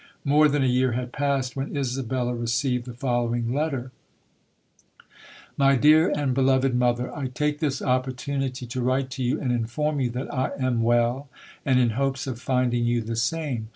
More than a year had passed when Isabella received the following letter: My dear and beloved Mother: I take this opportunity to write to you and inform you that I am well, and in hopes of finding you the same.